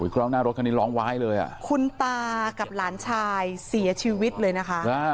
คุณตากับหลานชายเสียชีวิตเลยนะคะ